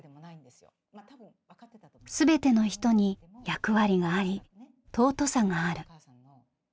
全ての人に役割があり尊さがある。